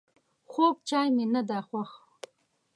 خوږ چای مي نده خوښ